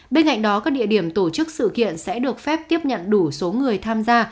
bên cạnh đó các địa điểm tổ chức sự kiện sẽ được phép tiếp nhận đủ số người tham gia